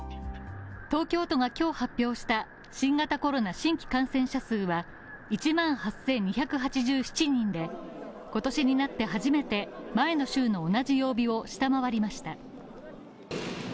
東京都が今日、発表した新型コロナ新規感染者数は１万８２８７人で今年になって初めて、前の週の同じ曜日を下回りました。